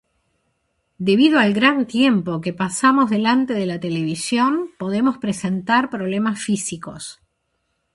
Debido al gran tiempo que pasamos delante de la televisión podemos presentar problemas físicos.